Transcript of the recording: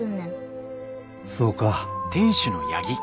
そうか。